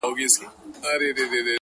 • پر كومه تگ پيل كړم؛